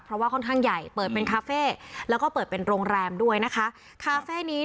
เพราะว่าค่อนข้างใหญ่เปิดเป็นคาเฟ่แล้วก็เปิดเป็นโรงแรมด้วยนะคะคาเฟ่นี้